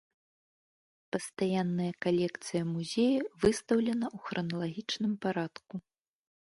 Пастаянная калекцыя музея выстаўлена ў храналагічным парадку.